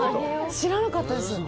知らなかったです。